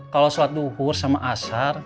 kalau sholat zuhur sama ashar